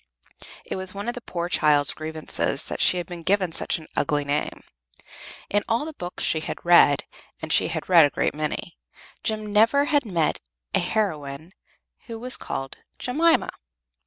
It was one of the poor child's grievances that she had been given such an ugly name. In all the books she had read, and she had read a great many, Jem never had met a heroine who was called Jemima.